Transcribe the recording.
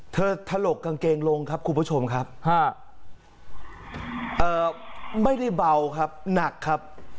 ถลกกางเกงลงครับคุณผู้ชมครับไม่ได้เบาครับหนักครับ